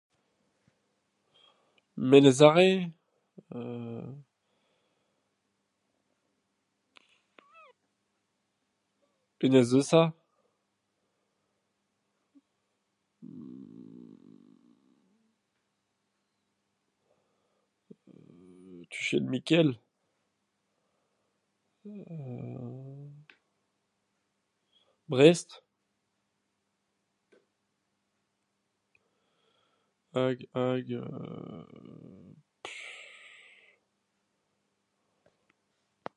Menez Are euu... Enez-Eusa.... Tuchenn Mikael... euu... Brest.... hag hag euu [pff].